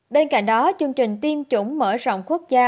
bên cạnh đó chương trình tiêm chủng mở rộng quốc gia